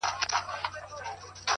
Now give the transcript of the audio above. په دښتونو کي چي ګرځې وږی پلی!!